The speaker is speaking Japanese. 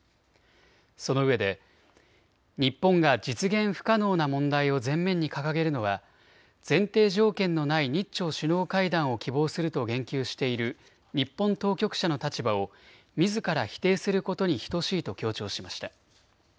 そのうえで日本が実現不可能な問題を前面に掲げるのは前提条件のない日朝首脳会談を希望すると言及している日本当局者の立場をみずから否定することに等しいと強調しました。